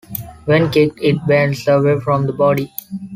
When kicked, it bends away from the body.